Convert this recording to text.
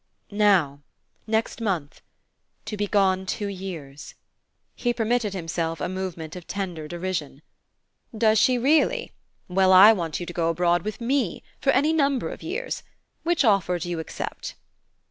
"Now next month. To be gone two years." He permitted himself a movement of tender derision. "Does she really? Well, I want you to go abroad with ME for any number of years. Which offer do you accept?"